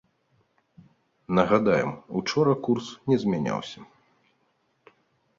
Нагадаем, учора курс не змяняўся.